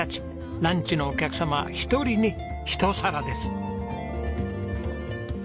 ランチのお客様１人に１皿です。